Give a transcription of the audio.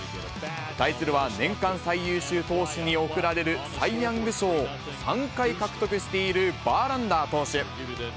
対するは、年間最優秀投手に贈られるサイ・ヤング賞を３回獲得しているバーランダー投手。